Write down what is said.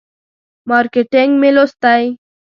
مارکیټینګ مې لوستی.